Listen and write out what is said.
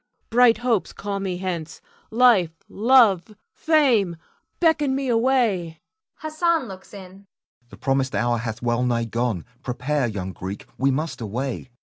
Bright hopes call me hence. Life, love, fame, beckon me away. [Hassan looks in.] Hassan. The promised hour hath well nigh gone. Prepare, young Greek; we must away.